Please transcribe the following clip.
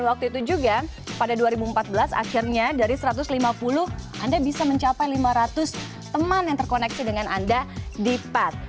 waktu itu juga pada dua ribu empat belas akhirnya dari satu ratus lima puluh anda bisa mencapai lima ratus teman yang terkoneksi dengan anda di pad